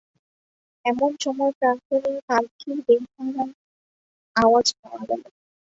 এমন সময় প্রাঙ্গণে পালকির বেহারার আওয়াজ পাওয়া গেল।